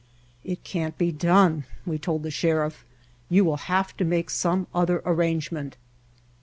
"It can't be done," we told the Sheriff. "You will have to make some other arrangement."